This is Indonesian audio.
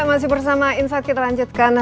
masih bersama insight kita lanjutkan